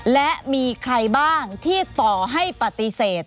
และมีใครบ้างที่ต่อให้ปฏิเสธ